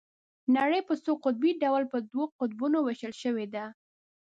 نړۍ په څو قطبي ډول په دوو قطبونو ويشل شوې ده.